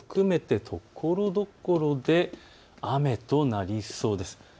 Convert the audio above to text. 平野部は含めてところどころで雨となりそうです。